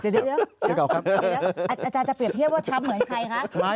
เดี๋ยวเดี๋ยวอาจารย์จะเปรียบเทียบว่าทรัพย์เหมือนใครฮะ